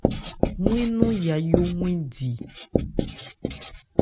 Wɛ́n nɔn Yayó 'wɛn di.